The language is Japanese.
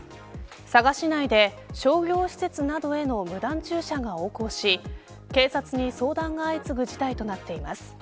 佐賀市内で、商業施設などへの無断駐車が横行し、警察に相談が相次ぐ事態になっています。